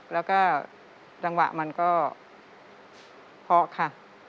แล้วก็จังหวะมันก็เพาะค่ะ